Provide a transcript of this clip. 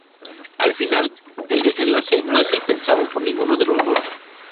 Al final, el desenlace no es el pensado por ninguno de los dos.